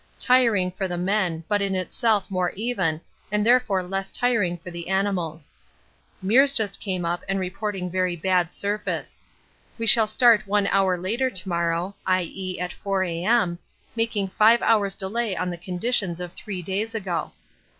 Tiring for the men, but in itself more even, and therefore less tiring for the animals. Meares just come up and reporting very bad surface. We shall start 1 hour later to morrow, i.e. at 4 A.M., making 5 hours' delay on the conditions of three days ago.